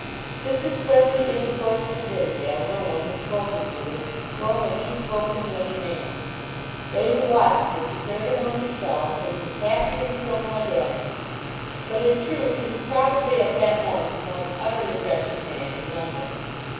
Since his friendly intercourse with Nidderdale no one had spoken to him, nor had he spoken to any man. They who watched him declared among themselves that he was happy in his own audacity; but in truth he was probably at that moment the most utterly wretched man in London.